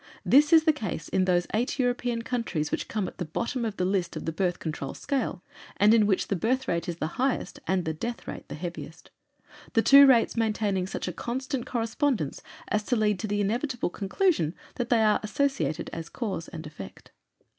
This is the case in those eight European countries which come at the bottom of the list of the Birth Control scale, and in which the birth rate is the highest and the death rate the heaviest the two rates maintaining such a constant correspondence as to lead to the inevitable conclusion that they are associated as cause and effect.